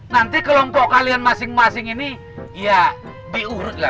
nanti kelompok kalian masing masing ini diurut nggak